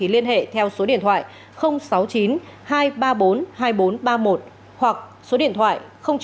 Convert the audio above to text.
liên hệ theo số điện thoại sáu mươi chín hai trăm ba mươi bốn hai nghìn bốn trăm ba mươi một hoặc số điện thoại chín trăm bốn mươi năm sáu trăm một mươi sáu nghìn hai mươi hai